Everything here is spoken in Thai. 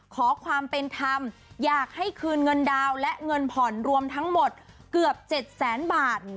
ขอความเป็นธรรมอยากให้คืนเงินดาวและเงินผ่อนรวมทั้งหมดเกือบ๗แสนบาท